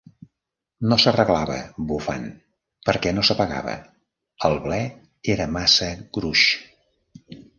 No s'arreglava bufant perquè no s'apagava, el ble era massa gruix.